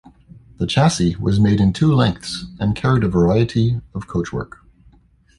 The chassis was made in two lengths and carried a variety of coachwork.